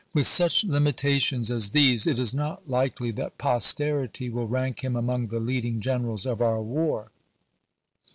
With such limitations as these it is not likely that posterity will rank him among the leading generals of our war.